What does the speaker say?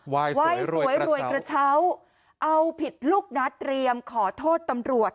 วัยสวยรวยกระเช้าเอาผิดลูกนัดเรียมขอโทษตำรวจ